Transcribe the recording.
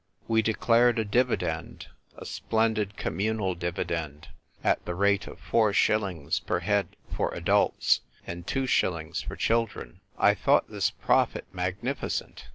We declared a dividend, a splendid communal dividend, at the rate of four shillings per head for adults, and two shillings for children. I thought this profit magnificent.